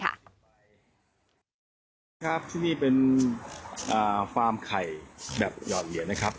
ครับที่นี่เป็นฟาร์มไข่แบบหยอดเรียนนะครับ